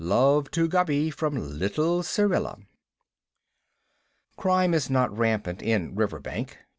Love to Gubby from little Syrilla. Crime is not rampant in Riverbank.